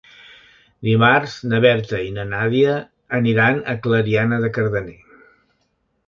Dimarts na Berta i na Nàdia aniran a Clariana de Cardener.